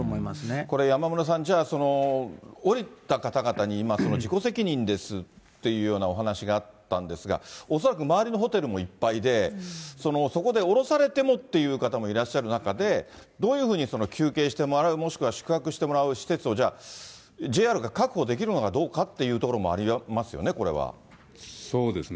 これ、山村さん、じゃあ、降りた方々に今、自己責任ですっていうようなお話があったんですが、恐らく周りのホテルもいっぱいで、そこで降ろされてもっていう方もいらっしゃる中で、どういうふうに休憩してもらう、あるいは宿泊してもらう施設を、ＪＲが確保できるのかどうかっていうところもありますよね、そうですね。